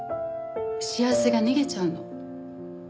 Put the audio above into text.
幸せが逃げちゃうの。